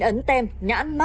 phần hàn không anh